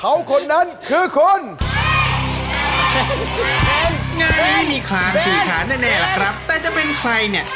เอากลับบ้านไปเลย